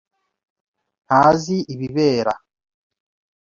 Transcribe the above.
ntazi ibibera.